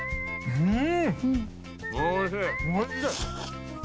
うん！